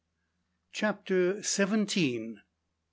CHAPTER SEVENTEEN.